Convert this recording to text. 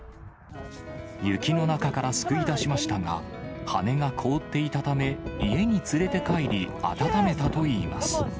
雪の中から救い出しましたが、羽が凍っていたため、家に連れて帰り、温めたといいます。